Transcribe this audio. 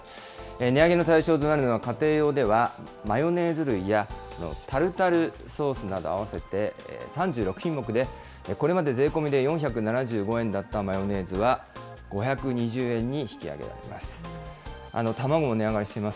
値上げの対象となるのは家庭用では、マヨネーズ類やタルタルソースなど合わせて３６品目で、これまで税込みで４７５円だったマヨネーズは、５２０円に引き上げられます。